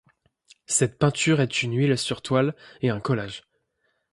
Cette peinture est une huile sur toile et un collage.